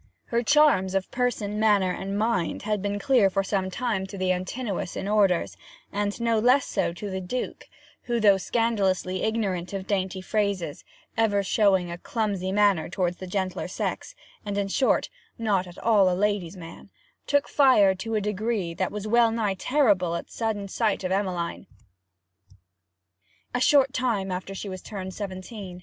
Her charms of person, manner, and mind, had been clear for some time to the Antinous in orders, and no less so to the Duke, who, though scandalously ignorant of dainty phrases, ever showing a clumsy manner towards the gentler sex, and, in short, not at all a lady's man, took fire to a degree that was wellnigh terrible at sudden sight of Emmeline, a short time after she was turned seventeen.